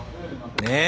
ねえ。